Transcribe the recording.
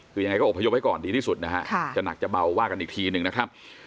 คือยังไงก็อบพยพไว้ก่อนดีที่สุดนะฮะจะหนักจะเบาว่ากันอีกทีหนึ่งนะครับ